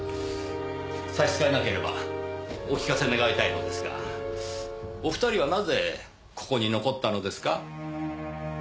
差し支えなければお聞かせ願いたいのですがお二人はなぜここに残ったのですか？